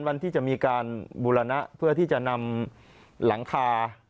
วันที่จะมีการบูรณะเพื่อที่จะนำหลังคา